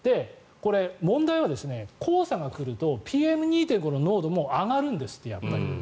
問題は黄砂が来るとＰＭ２．５の濃度も上がるんですって、やっぱり。